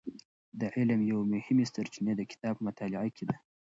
د علم یوې مهمې سرچینې د کتاب په مطالعه کې ده.